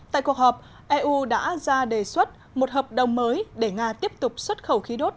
tại cuộc họp eu đã ra đề xuất một hợp đồng mới để nga tiếp tục xuất khẩu khí đốt